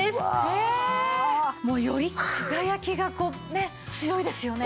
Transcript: ええ！より輝きがこう強いですよね。